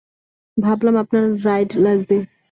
ভাবলাম আপনার রাইড লাগবে।